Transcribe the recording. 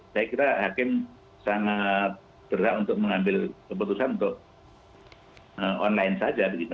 saya kira hakim sangat berhak untuk mengambil keputusan untuk online saja begitu